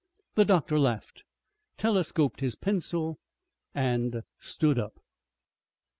The doctor laughed, telescoped his pencil and stood up.